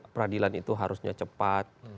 peradilan itu harusnya cepat